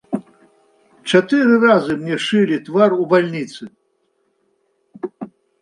Чатыры разы мне шылі твар у бальніцы.